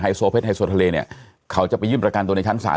ไฮโซเพ็ดฯไฮโซเทอร์ทะเลเนี่ยเขาจะไปยืนประการตัวในชั้นศาล